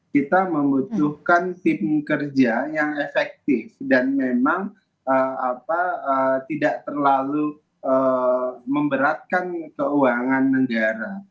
kita membutuhkan tim kerja yang efektif dan memang tidak terlalu memberatkan keuangan negara